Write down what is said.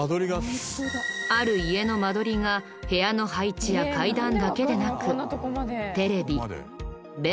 ある家の間取りが部屋の配置や階段だけでなくテレビベッド